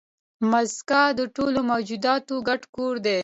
مځکه د ټولو موجوداتو ګډ کور دی.